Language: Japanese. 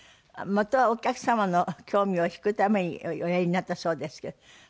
元はお客様の興味を引くためにおやりになったそうですけど。